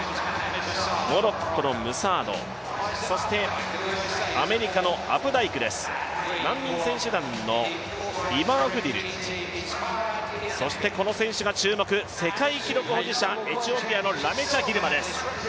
モロッコのムサード、そしてアメリカのアプダイクです、難民選手団のイバーフディル、そしてこの選手が注目、世界記録保持者、エチオピアのラメチャ・ギルマです。